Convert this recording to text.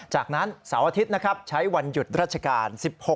จากนั้นเสาร์อาทิตย์ใช้วันหยุดราชการ